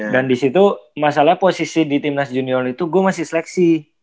dan disitu masalahnya posisi di timnas junior itu gue masih seleksi